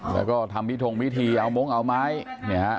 แล้วก็ทำพิธงพิธีเอามงค์เอาไม้เนี่ยฮะ